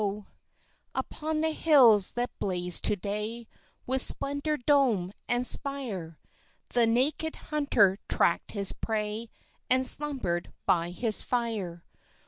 Solo Alto Upon the hills that blaze to day With splendid dome and spire, The naked hunter tracked his prey, And slumbered by his fire.